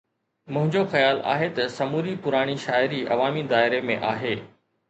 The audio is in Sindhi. منهنجو خيال آهي ته سموري پراڻي شاعري عوامي دائري ۾ آهي